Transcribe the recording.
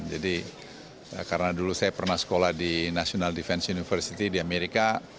jadi karena dulu saya pernah sekolah di national defense university di amerika